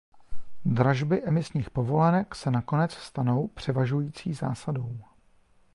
Dražby emisních povolenek se nakonec stanou převažující zásadou.